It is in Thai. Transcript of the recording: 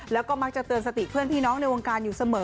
แล้วก็มักจะเตือนสติเพื่อนพี่น้องในวงการอยู่เสมอ